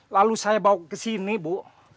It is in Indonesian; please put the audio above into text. lalu saya bawa ke sini bu